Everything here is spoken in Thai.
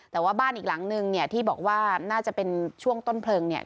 แต่ว่าบ้านอีกหลังนึงเนี่ยที่บอกว่าน่าจะเป็นช่วงต้นเพลิงเนี่ย